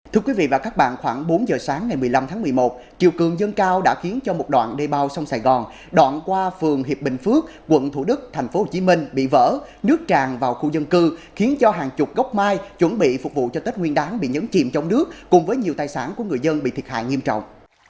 thưa quý vị và các bạn khoảng bốn giờ sáng ngày một mươi năm tháng một mươi một chiều cường dân cao đã khiến cho một đoạn đê bao sông sài gòn đoạn qua phường hiệp bình phước quận thủ đức tp hcm bị vỡ nước tràn vào khu dân cư khiến cho hàng chục gốc mai chuẩn bị phục vụ cho tết nguyên đáng bị nhấn chìm trong nước cùng với nhiều tài sản của người dân bị thiệt hại nghiêm trọng